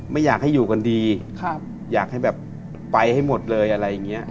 ไม่อยากให้อยู่กันดีอยากให้แบบไปให้หมดเลยอะไรอย่างนี้